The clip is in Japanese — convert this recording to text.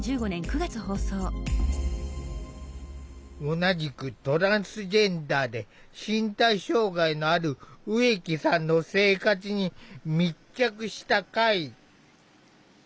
同じくトランスジェンダーで身体障害のある植木さんの生活に密着した回。